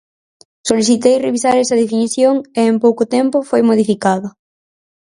Solicitei revisar esa definición e en pouco tempo foi modificada.